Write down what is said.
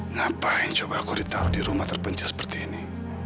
ngapain coba aku ditaruh di rumah terpencil seperti ini